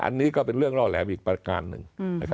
อันนี้ก็เป็นเรื่องล่อแหลมอีกประการหนึ่ง